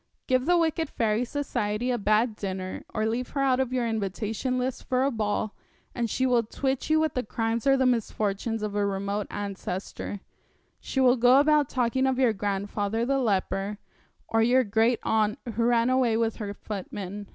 Give the wicked fairy Society a bad dinner, or leave her out of your invitation list for a ball, and she will twit you with the crimes or the misfortunes of a remote ancestor she will go about talking of your grandfather the leper, or your great aunt who ran away with her footman.